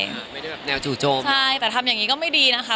ไม่ได้แบบแนวจู่โจมใช่แต่ทำอย่างนี้ก็ไม่ดีนะคะ